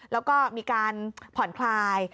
แล้วก็มีการผ่อนคลาย